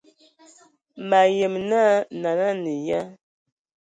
Wa yəm na nana a nə ya?